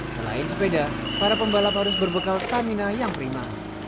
selain sepeda para pembalap harus berbekal stamina yang prima